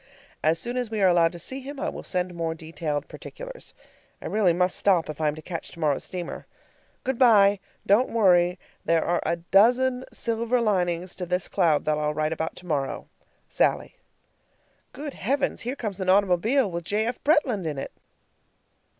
As soon as we are allowed to see him I will send more detailed particulars. I really must stop if I am to catch tomorrow's steamer. Good by. Don't worry. There are a dozen silver linings to this cloud that I'll write about tomorrow. SALLIE. Good heavens! here comes an automobile with J. F. Bretland in it!